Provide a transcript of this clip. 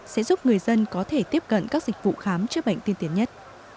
sẽ giúp người dân có thể tiếp cận các dịch vụ khám chữa bệnh tiên tiến nhất